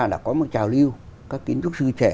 là có một trào lưu các kiến trúc sư trẻ